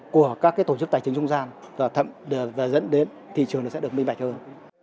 của các tổ chức tài chính trung gian và dẫn đến thị trường nó sẽ được minh bạch hơn